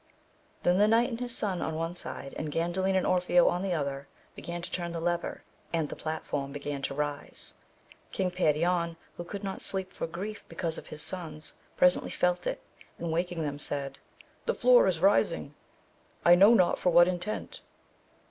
Then the knight and his son on one side, and Gandalin and Orfeo on the other, began to turn the lever and the platform began to rise. Kong Perion, who could not sleep for grief because of his sons presently felt it, and waking them said, the floor itt rising, I know not for what intent.